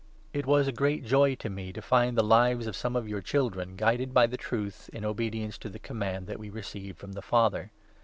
It was a great joy to me to find the lives of some of your 4 children guided by the Truth, in obedience to the command that we received from the Father.